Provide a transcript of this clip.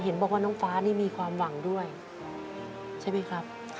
เห็นบอกว่าน้องฟ้านี่มีความหวังด้วยใช่ไหมครับ